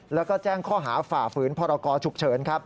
แล้วก็แจ้งข้อหาฝ่าฝืนพรกรฉุกเฉินครับ